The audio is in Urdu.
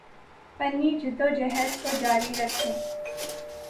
پنی جدوجہد کو جاری رکھیں